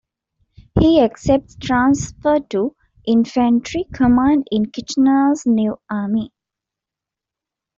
He accepts transfer to infantry command in Kitchener's new army.